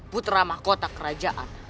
putra mahkota kerajaan